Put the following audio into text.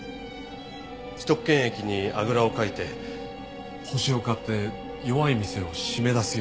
既得権益にあぐらをかいて星を買って弱い店を締め出すようなまね。